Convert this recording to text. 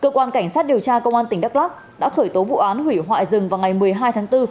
cơ quan cảnh sát điều tra công an tỉnh đắk lắc đã khởi tố vụ án hủy hoại rừng vào ngày một mươi hai tháng bốn